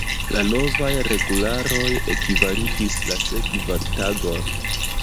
La novaj regularoj ekvalidis la sekvan tagon.